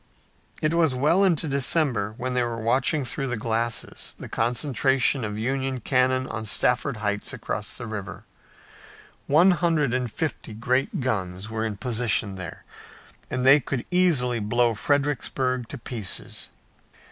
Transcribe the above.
It was well into December when they were watching through the glasses the concentration of Union cannon on Stafford Heights across the river. One hundred and fifty great guns were in position there and they could easily blow Fredericksburg to pieces.